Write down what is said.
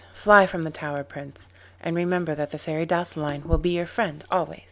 Fly from the tower, Prince, and remember that the Fairy Douceline will be your friend always.